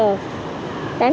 tám giờ sáng